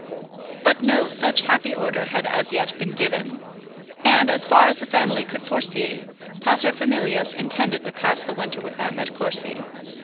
But no such happy order had as yet been given; and, as far as the family could foresee, paterfamilias intended to pass the winter with them at Courcy.